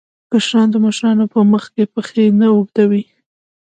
کشران د مشرانو په مخ کې پښې نه اوږدوي.